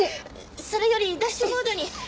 それよりダッシュボードに。